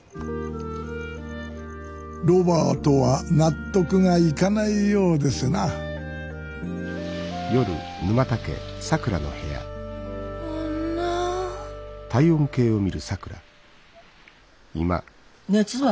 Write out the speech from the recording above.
ロバートは納得がいかないようですなＯｈｎｏ．熱は？